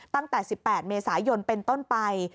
ตั้งแต่๑๘เมษายนเป็นต้นไป